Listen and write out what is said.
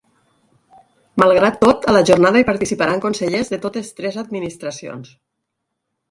Malgrat tot, a la jornada hi participaran consellers de totes tres administracions.